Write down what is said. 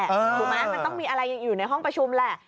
ถูกไหมมันต้องมีอะไรอยู่ในห้องประชุมแหละ